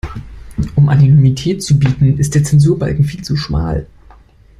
Um Anonymität zu bieten, ist der Zensurbalken viel zu schmal.